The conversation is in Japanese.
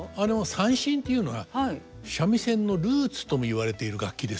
三線っていうのは三味線のルーツとも言われている楽器ですね。